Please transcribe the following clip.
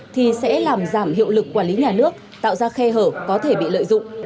thì sẽ làm giảm hiệu lực quản lý nhà nước tạo ra khe hở có thể bị lợi dụng